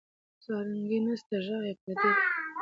سارنګۍ نسته ږغ یې پردی دی